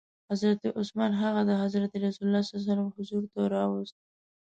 حضرت عثمان هغه د حضرت رسول ص حضور ته راووست.